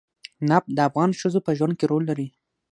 نفت د افغان ښځو په ژوند کې رول لري.